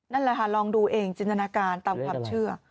นั่นละค่ะลองดูเองจริงนาการตามคลับเชื่อ